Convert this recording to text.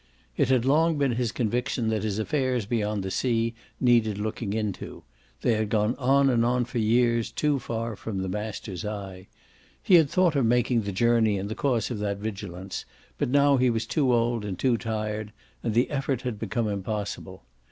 It had long been his conviction that his affairs beyond the sea needed looking into; they had gone on and on for years too far from the master's eye. He had thought of making the journey in the cause of that vigilance, but now he was too old and too tired and the effort had become impossible.